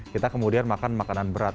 kita kemudian makan makanan berat